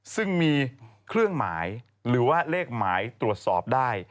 ซึ่งมีเครื่องหมายหรือว่าเลขหมายตรวจสอบได้